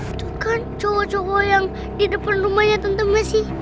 itu kan cowok cowok yang di depan rumahnya temen temen sih